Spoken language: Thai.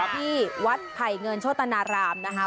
ที่วัดไผ่เงินโชตนารามนะคะ